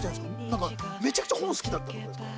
なんかめちゃくちゃ本好きだったとかですか？